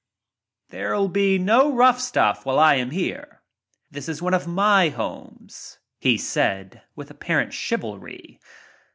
"There'll be no rough stuff while I am here. This is one of my homes," he said with apparent chivalry.